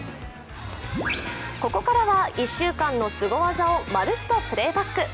ここからは１週間のすご技を「まるっと！Ｐｌａｙｂａｃｋ」。